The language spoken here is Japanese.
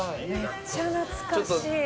めっちゃ懐かしい。